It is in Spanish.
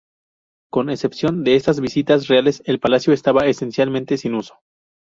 Con excepción de esas visitas reales el Palacio estaba esencialmente sin uso.